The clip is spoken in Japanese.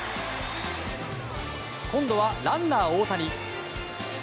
今度はランナー大谷。